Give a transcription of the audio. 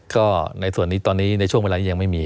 ก็ในส่วนนี้ตอนนี้ในช่วงเวลานี้ยังไม่มี